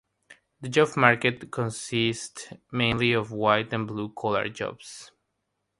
The job market here consists mainly of white- and blue-collar jobs.